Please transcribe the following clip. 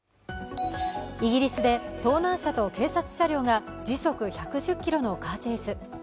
イギリスで盗難車と警察車両が時速１１０キロのカーチェイス。